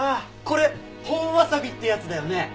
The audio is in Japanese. これ本ワサビってやつだよね。